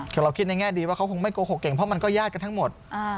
คือเราคิดในแง่ดีว่าเขาคงไม่โกหกเก่งเพราะมันก็ญาติกันทั้งหมด